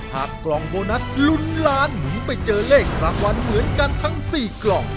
กล่องโบนัสลุ้นล้านหมุนไปเจอเลขรางวัลเหมือนกันทั้ง๔กล่อง